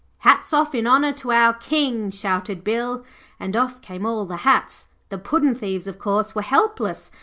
'Hats off in honour to our King,' shouted Bill, and off came all the hats. The puddin' thieves, of course, were helpless.